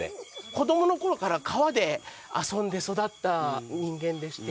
子供のころから川で遊んで育った人間でして。